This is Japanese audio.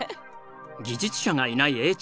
技術者がいないＡチーム。